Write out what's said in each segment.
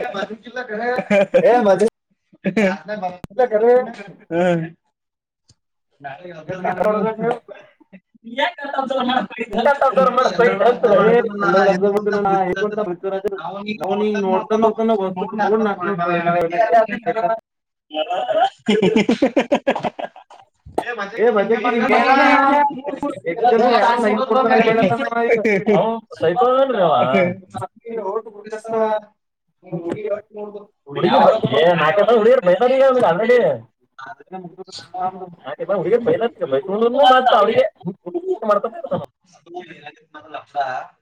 A ಮಾಿಲ್ಲ ಎ ಹ್ಮ್ ನಾಳೆ ಒರ್ ಮಾಡ ಬ್್ಾ ಹೇಂತ ನಾವು ನೀ ನೋಡ್ತ ನತ ಮ ಯ ಇ ಎ ಬತ ನಿ ಸೈಕತ ಹುಗ ಬೈಸಕೊಂಡ ಅವ ಮಾಡ್ತ ಇತ ಅಲ್ಲ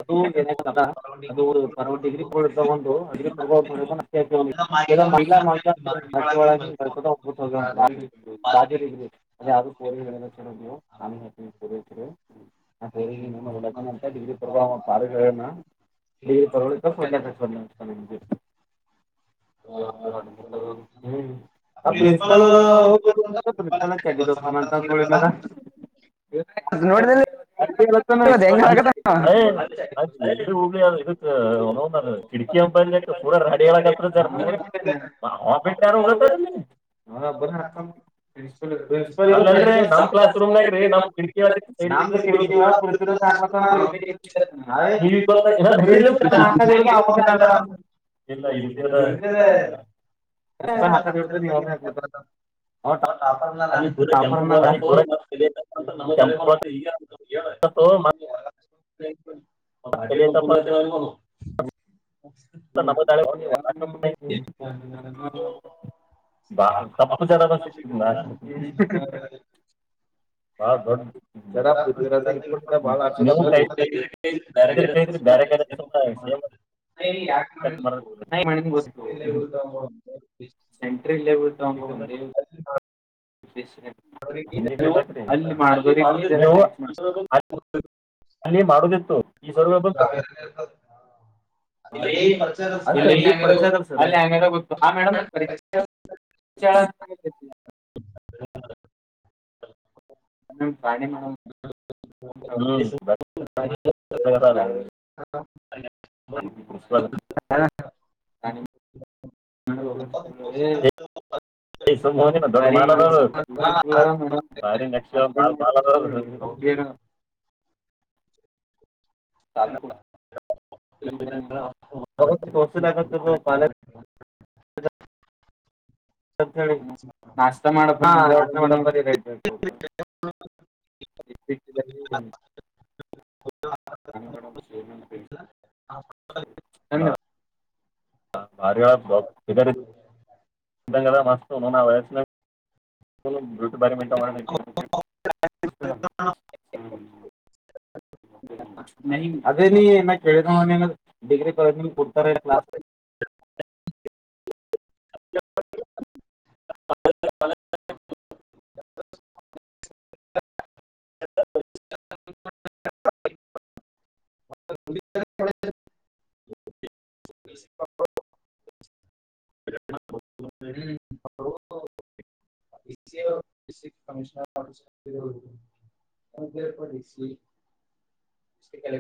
ಅದು ಏನ ಕದಾ ಅದು ಪರ ಡಿಗ್ರಿ ಕೊ ಒಂದು ಅ ಮಿಾ ಮಹಿಾಳ್ರಿ ಯ ಕೋರಿ ನೀವು ನಾನ ಕೋಡ ಡಿಗ್ರಿ ಕೊ ಪಾರಿ ತಳ ಕೊ ಪ್ರಪಲ್ೋಗ ಯ ಅದ ಹುಬ್ಳಿ ಹುಬ್ಳಿ ಅ್ ಇದ ಕಿಟಕಿ ಅ ಬಂದೂಡ ರಡಿಳತ್ರಟ್ಟ ಯಾರ ಹ ನ ಕ್ಲಾಸ್ ರೂಮ್ಾಗಮ್ ಇ ಸರ ಕೆಂಪೂ ಬ ನಮ್ಮ ದಡ ಹಾಂ ಓ ಬಲ್ಕುಲ್ ಬಕಿ ಪ ಪುರಾ ತರಾವ ಮಾಡ ಅಪ್ಪು ಜನ [inaudible] [inaudible] ಇಲ್ಲಳ್ತಾ [unintelligible] ಹ [inaudible] ಸೆಂಟ್ರಲ್ ಲಲೆವೆಲ್ ತ ಆಗ ಬಂದ [unintelligible] ಅಲ್ಲಿ ಮಾಡ [inaudible] ಅಲ್ಲಿ ಮಾಡುದಿತ್ತು ಈ ಸ್ವೂಪ ಹ ಅ ಪಚಾಯ [unintelligible] ಹ ಗತ್ತ [unintelligible] ಹಾ ಮೇಡಮ್ ಚಾ [inaudible] ಹೌ [unintelligible] ಹಾಣಮ ಹ್ಞೂ ಬ ಕ ನ [unintelligible] ಹ [unintelligible] ಸ್ವ [inaudible] ಸನೆ [unintelligible] ಭ ರಕ್ಷ [unintelligible] ಚಸ [unintelligible] ಹೇಳ ನಾಷ್ಟ ಮಾಡ [inaudible] [inaudible] ಹಾಂ ಮಾಡಾರ ಬ [unintelligible] [inaudible] ನಿಂಗರ ಮಸ್ತ ನ ವಯಸಿನ [inaudible] ಬ ಅದೇ ನೀ ಕೇಳಿದ [inaudible] ಡಿಗ್ರಿ ಕೊಡ್ತಾರೆ ಕ್ಲಾಸ್ [inaudible] [inaudible] ಕಷ [unintelligible]